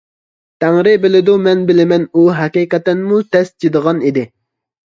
تەڭرى بىلىدۇ، مەن بىلىمەن، ئۇ ھەقىقەتەنمۇ تەس چىدىغان ئىدى.